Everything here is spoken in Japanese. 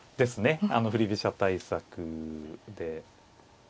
振り飛車対策で。